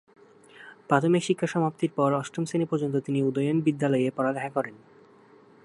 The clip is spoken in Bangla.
প্রাথমিক শিক্ষা সমাপ্তির পর অষ্টম শ্রেণী পর্যন্ত তিনি উদয়ন বিদ্যালয়ে পড়ালেখা করেন।